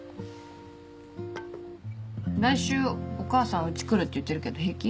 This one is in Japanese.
来週お母さんうち来るって言ってるけど平気？